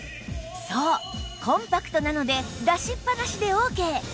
そうコンパクトなので出しっぱなしでオーケー